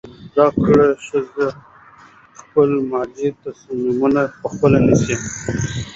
زده کړه ښځه خپل مالي تصمیمونه پخپله نیسي.